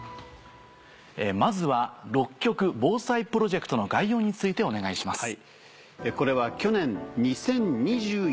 まずは６局防災プロジェクトの概要についてお願いします。